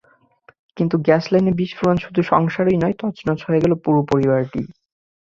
কিন্তু গ্যাসলাইনে বিস্ফোরণে শুধু সংসারই নয়, তছনছ হয়ে গেল পুরো পরিবারটিই।